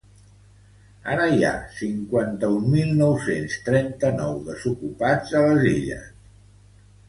Ara hi ha cinquanta-un mil nou-cents trenta-nou desocupat a les Illes.